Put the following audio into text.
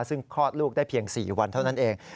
ซึ่งคลอดลูกได้เพียง๔วันเท่านั้นเอง